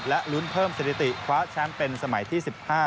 และลุ้นเพิ่มสถิติคว้าแชมป์เป็นสมัยที่๑๕